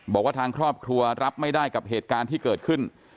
บอกว่าทางครอบครัวรับไม่ได้กับเหตุการณ์ที่เกิดขึ้น